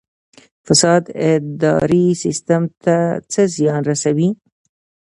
فساد اداري سیستم ته څه زیان رسوي؟